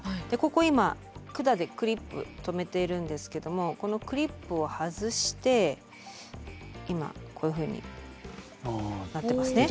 ここ今管でクリップ留めてるんですけどもこのクリップを外して今こういうふうになってますね。